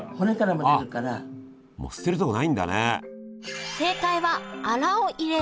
もう捨てるとこないんだね。